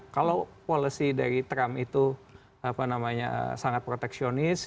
kalau polosi dari trump itu apa namanya sangat proteksional